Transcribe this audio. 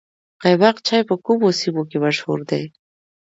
قیماق چای په کومو سیمو کې مشهور دی؟